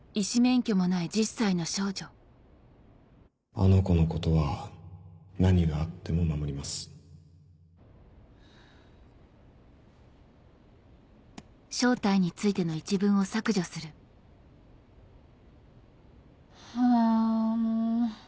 あの子のことは何があっても守りますあもう。